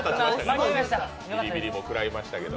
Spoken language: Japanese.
ビリビリもくらいましたけど。